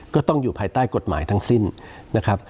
ก็ต้องอยู่ภายใต้กฎหมายทั้งสิ้นนะครับ